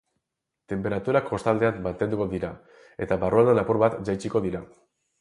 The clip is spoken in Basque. Tenperaturak kostaldean mantenduko dira eta barrualdean apur bat jaitsiko dira.